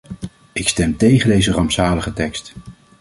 Ik stem tegen deze rampzalige tekst.